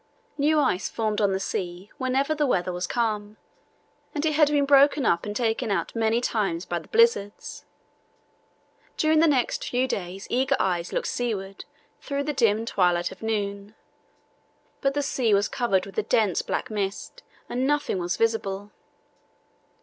New ice formed on the sea whenever the weather was calm, and it had been broken up and taken out many times by the blizzards. During the next few days eager eyes looked seaward through the dim twilight of noon, but the sea was covered with a dense black mist and nothing was visible.